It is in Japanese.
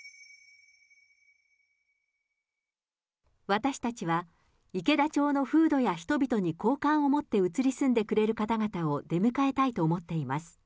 私たちは池田町の風土や人々に好感を持って移り住んでくれる方々を出迎えたいと思っています。